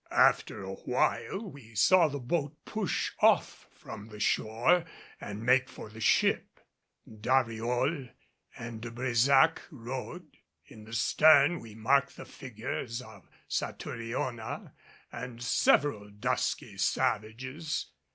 After awhile we saw the boat push off from the shore and make for the ship. Dariol and De Brésac rowed; in the stern we marked the figures of Satouriona and several dusky savages.